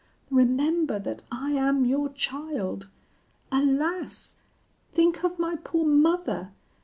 Remember that I am your child! Alas! think of my poor mother!